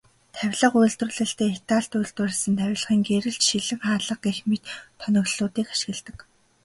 Тавилга үйлдвэрлэлдээ Италид үйлдвэрлэсэн тавилгын гэрэл, шилэн хаалга гэх мэт тоноглолуудыг ашигладаг.